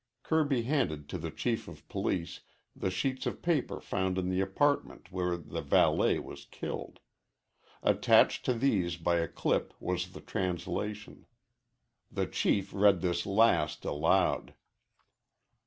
Kirby handed to the Chief of Police the sheets of paper found in the apartment where the valet was killed. Attached to these by a clip was the translation. The Chief read this last aloud.